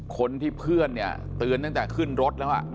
คนที่เพื่อนเนี่ยเตือนตั้งแต่ขึ้นรถแล้ว